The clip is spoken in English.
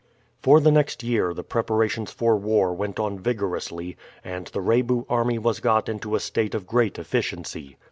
For the next year the preparations for war went on vigorously and the Rebu army was got into a state of great efficiency.